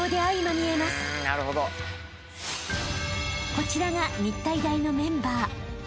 ［こちらが日体大のメンバー］